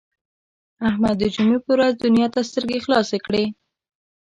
احمد د جمعې په ورځ دنیا ته سترګې خلاصې کړې.